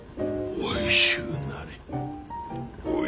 おいしゅうなれ。